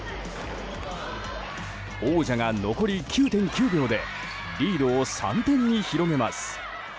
王者が残り９．９秒でリードを３点に広げます。